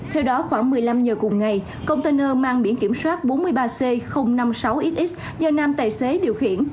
theo đó khoảng một mươi năm giờ cùng ngày container mang biển kiểm soát bốn mươi ba c năm nghìn sáu xx do nam tài xế điều khiển